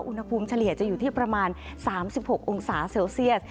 เฉลี่ยจะอยู่ที่ประมาณ๓๖องศาเซลเซียส